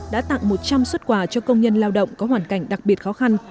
đã tặng một trăm linh xuất quà cho công nhân lao động có hoàn cảnh đặc biệt khó khăn